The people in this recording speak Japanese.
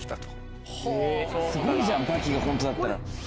すごいじゃん『刃牙』がホントだったら。